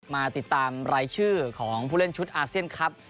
มาติดตามรายชื่อของผู้เล่นชุดอาเซียนครับ